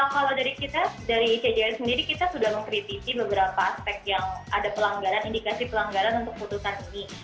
kalau dari kita dari icjr sendiri kita sudah mengkritisi beberapa aspek yang ada pelanggaran indikasi pelanggaran untuk putusan ini